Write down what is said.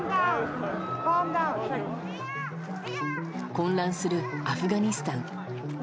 混乱するアフガニスタン。